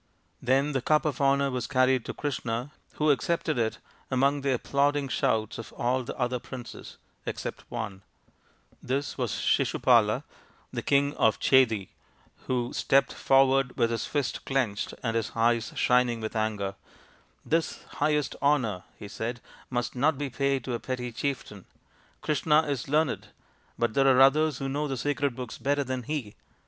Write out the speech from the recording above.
Then the cup of honour was carried to Krishna, who accepted it among the applauding shouts of all the other princes except one ! This was Sisupala, the King of Chedi, who stepped forward with his fist clenched and his eyes shining with anger. " This highest honour," he said, " must not be paid to a petty chieftain. Krishna is learned, but there are others who know the sacred books better than he.